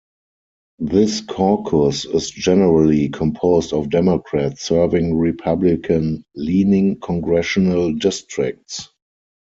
This caucus is generally composed of Democrats serving Republican leaning congressional districts.